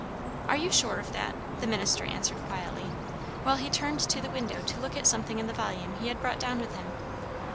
"Are you sure of that?" the minister answered quietly, while he turned to the window to look at something in the volume he had brought down with him.